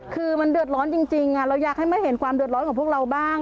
คือมันเดือดร้อนจริงเราอยากให้มาเห็นความเดือดร้อนของพวกเราบ้าง